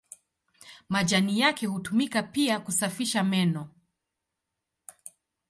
Majani yake hutumika pia kusafisha meno.